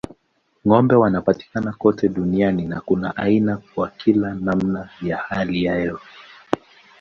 Ng'ombe wanapatikana kote duniani na kuna aina kwa kila namna ya hali ya hewa.